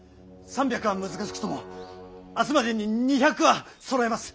３００は難しくとも明日までに２００はそろえます。